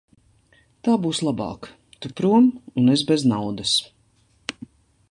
Tā būs labāk; tu prom un es bez naudas.